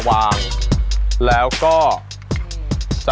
มันเป็นอะไร